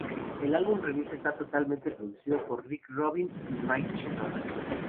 El álbum remix esta totalmente producido por Rick Rubin y Mike Shinoda.